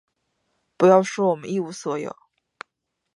不要说我们一无所有，